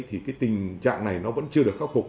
thì tình trạng này vẫn chưa được khắc phục